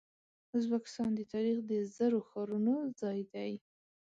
ازبکستان د تاریخ د زرو ښارونو ځای دی.